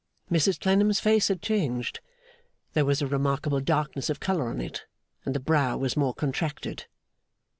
Mrs Clennam's face had changed. There was a remarkable darkness of colour on it, and the brow was more contracted.